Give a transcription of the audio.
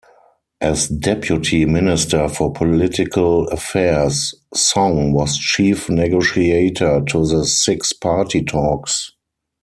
As Deputy Minister for Political Affairs, Song was Chief Negotiator to the Six-Party Talks.